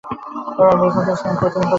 এবার বিপ্রদাস মন কঠিন করে বসল।